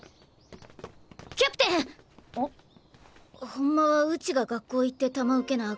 ほんまはうちが学校行って球受けなあ